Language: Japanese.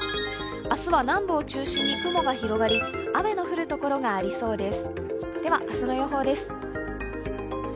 明日は南部を中心に雲が広がり、雨の降るところがありそうです。